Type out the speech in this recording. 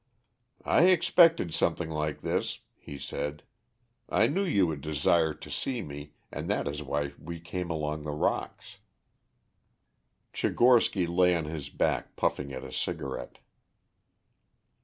"I expected something like this," he said. "I knew you would desire to see me, and that is why we came along the rocks." Tchigorsky lay on his back puffing at a cigarette.